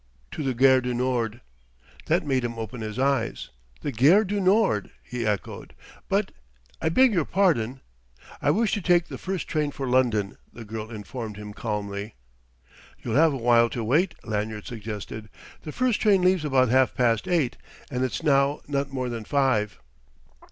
"To the Gare du Nord." That made him open his eyes. "The Gare du Nord!" he echoed. "But I beg your pardon " "I wish to take the first train for London," the girl informed him calmly. "You'll have a while to wait," Lanyard suggested. "The first train leaves about half past eight, and it's now not more than five."